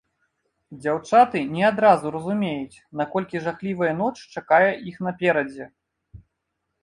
Дзяўчаты не адразу разумеюць, наколькі жахлівая ноч чакае іх наперадзе.